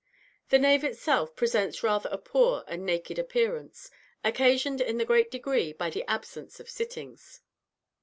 The nave itself presents rather a poor and naked appearance, occasioned in a great degree by the absence of sittings.